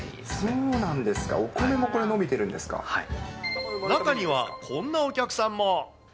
そうなんですか、お米もこれ、中には、こんなお客さんも。